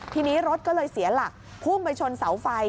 ทีนี้รถก็เลยเสียหลักพุ่งไปชนเสาไฟ